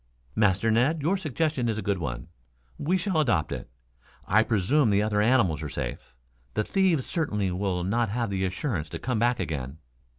"Master Ned, your suggestion is a good one. We shall adopt it. I presume the other animals are safe. The thieves certainly will not have the assurance to come back again."